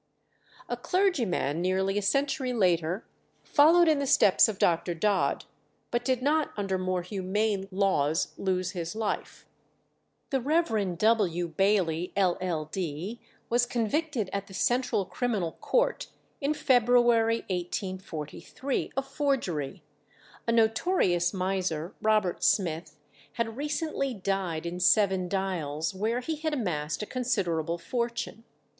A clergyman nearly a century later followed in the steps of Dr. Dodd, but did not under more humane laws lose his life. The Rev. W. Bailey, LL.D., was convicted at the Central Criminal Court, in February 1843, of forgery. A notorious miser, Robert Smith, had recently died in Seven Dials, where he had amassed a considerable fortune.